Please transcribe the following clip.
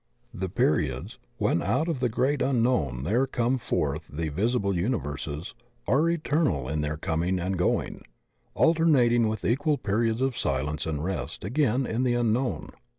The periods, when out of the Great Unknown there come forth the visible uni verses, are eternal in their coming and going, alter nating with equal periods of silence and rest again in the Unknown.